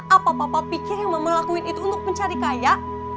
apa papa pikir yang mau lakuin itu untuk mencari kaya